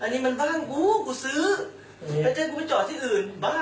แต่เจนกูไม่จอดที่อื่นบ้าเปล่า